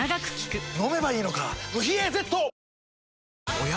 おや？